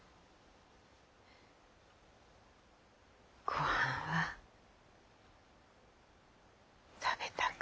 ごはんは食べたかい？